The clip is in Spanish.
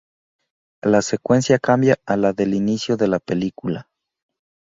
La secuencia cambia a la del inicio de la película.